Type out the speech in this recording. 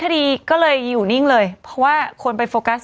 คดีก็เลยอยู่นิ่งเลยเพราะว่าคนไปโฟกัส